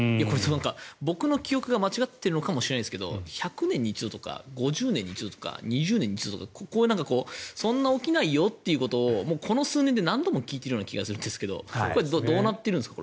僕の記憶が間違っているのかもしれないんですが１００年に一度とか５０年に一度とか２０年に一度とかそんな起きないよということこの数年で何度も聞いている気がするんですけどどうなってるんですか。